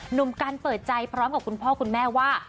หนุ่มกันเปิดใจพร้อมกับคุณพ่อคุณแม่ว่า